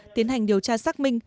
tiến hành điều tra xác minh